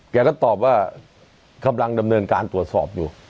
แกก็ตอบว่ากำลังดำเนินการตรวจสอบอยู่